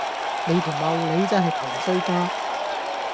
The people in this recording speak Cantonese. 你條茂利真係陀衰家